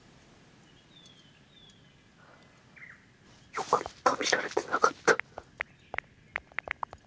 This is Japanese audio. よかった見られてなかった。